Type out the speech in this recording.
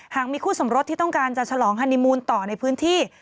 หากมีคู่สมรสที่ต้องการจะฉลองฮานีมูลต่อในพื้นที่